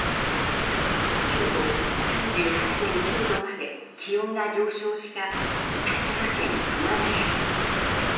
今日も３８．９度まで気温が上昇した埼玉県熊谷市。